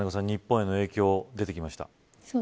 日本への影響が出てきました。